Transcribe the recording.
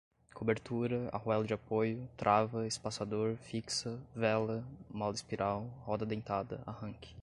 cobertura, arruela de apoio, trava, espaçador, fixa, vela, mola espiral, roda dentada, arranque